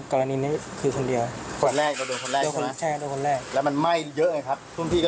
ใช่ครับ